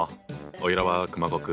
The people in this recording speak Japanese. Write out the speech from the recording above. おいらは熊悟空。